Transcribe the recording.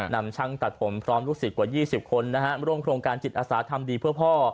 นำช่างตัดผมพร้อมลูกศิษย์กว่า๒๐คนร่วมโครงการจิตอาสาทำดีเพื่อพ่อ